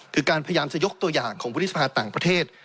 คือการพยายามจะยกตัวอย่างของวุฒิสภาต่างประเทศ